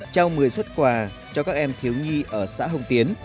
trao một mươi xuất quà cho các em thiếu nhi ở xã hồng tiến